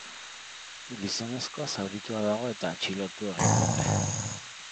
Gizonezkoa zaurituta dago eta atxilotu egin dute.